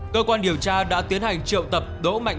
cơ quan điều tra đã tiến hành triệu tập đỗ mạnh